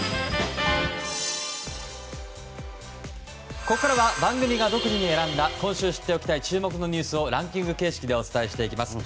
ここからは番組が独自に選んだ今週知っておきたい注目のニュースをランキング形式でお伝えしていきます。